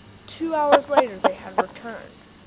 Two hours later they had returned.